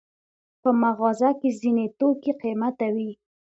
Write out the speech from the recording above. په مغازه کې ځینې توکي قیمته وي.